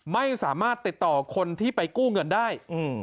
ไม่สามารถติดต่อคนที่ไปกู้เงินได้